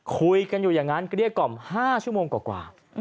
คุยกันอยู่อย่างนั้นเกลี้ยกล่อม๕ชั่วโมงกว่า